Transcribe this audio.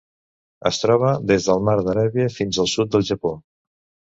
Es troba des del Mar d'Aràbia fins al sud del Japó.